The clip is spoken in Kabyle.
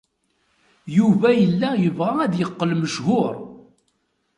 Yuba yella yebɣa ad yeqqel mechuṛ.